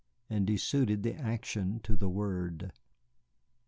And he suited the action to the word.